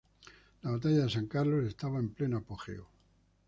La Batalla de San Carlos estaba en pleno apogeo.